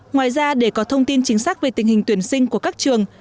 ngoài ra để có thông tin chính xác về tình hình tuyển sinh của các trường